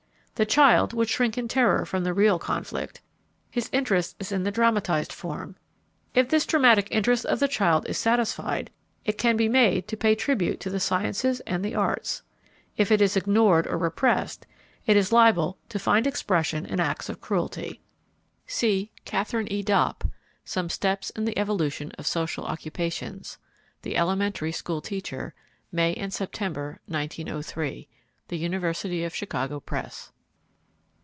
The child would shrink in terror from the real conflict. His interest is in the dramatized form. If this dramatic interest of the child is satisfied, it can be made to pay tribute to the sciences and the arts. If it is ignored or repressed, it is liable to find expression in acts of cruelty. [Footnote 1: See Katharine E. Dopp, "Some Steps in the Evolution of Social Occupations," The Elementary School Teacher, May and September, 1903. The University of Chicago Press.